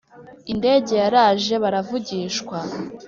indege yaraje baravugishwa